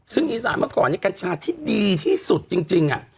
ซึ่งอีสานเมื่อก่อนนี้กัญชาที่ดีที่สุดจริง